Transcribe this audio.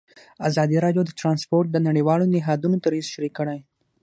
ازادي راډیو د ترانسپورټ د نړیوالو نهادونو دریځ شریک کړی.